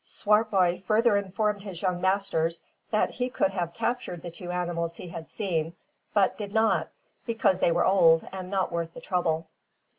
Swartboy further informed his young masters that he could have captured the two animals he had seen, but did not, because they were old, and not worth the trouble.